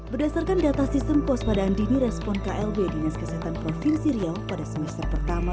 berdasarkan data sistem pos pada andini respon klb dinas kesehatan provinsi riau pada semester pertama dua ribu delapan belas